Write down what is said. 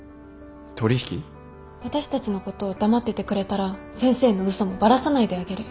私たちのこと黙っててくれたら先生の嘘もバラさないであげる。